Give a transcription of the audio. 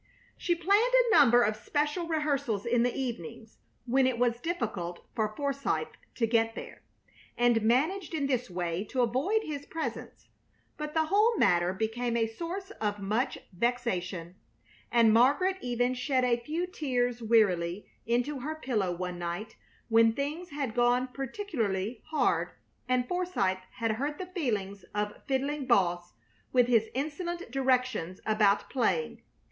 She planned a number of special rehearsals in the evenings, when it was difficult for Forsythe to get there, and managed in this way to avoid his presence; but the whole matter became a source of much vexation, and Margaret even shed a few tears wearily into her pillow one night when things had gone particularly hard and Forsythe had hurt the feelings of Fiddling Boss with his insolent directions about playing.